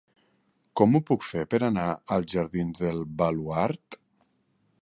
Com ho puc fer per anar als jardins del Baluard?